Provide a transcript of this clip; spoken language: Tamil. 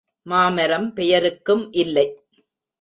மாமரம் பெயருக்கும் இல்லை.